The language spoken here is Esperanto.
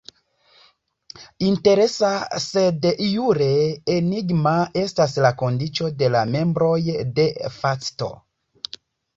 Interesa sed jure enigma estas la kondiĉo de la membroj "de facto".